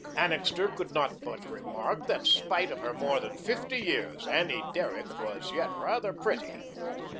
Annixter could not but remark that, spite of her more than fifty years, Annie Derrick was yet rather pretty.